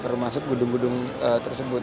termasuk gedung gedung tersebut